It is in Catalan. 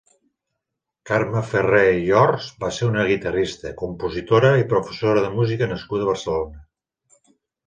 Carme Farré i Ors va ser una guitarrista, compositora i professora de música nascuda a Barcelona.